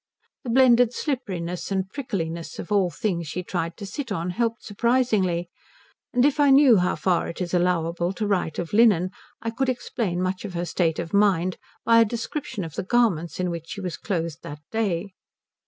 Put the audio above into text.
The blended slipperiness and prickliness of all the things she tried to sit on helped surprisingly; and if I knew how far it is allowable to write of linen I could explain much of her state of mind by a description of the garments in which she was clothed that day.